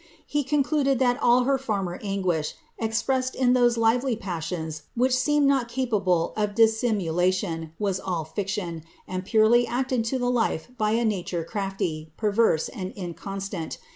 He concluded that all her former anguish, n those lively passions which seemed not capable of dissimu all fiction, and purely acted to the life by a nature craAy, id inconsUint.